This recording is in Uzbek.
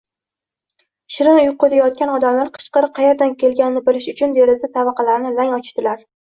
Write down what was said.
Shirin uyquda yotgan odamlar qichqiriq qaerdan kelganini bilish uchun deraza tavaqalarini lang ochdilar